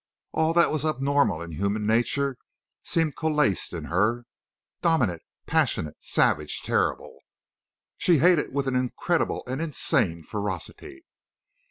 All that was abnormal in human nature seemed coalesced in her, dominant, passionate, savage, terrible. She hated with an incredible and insane ferocity.